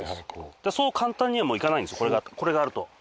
そう簡単にはいかないんですこれがあると。